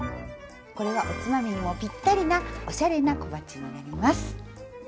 これはおつまみにもぴったりなおしゃれな小鉢になります。